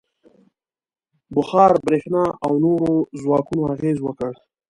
• بخار، برېښنا او نورو ځواکونو اغېز وکړ.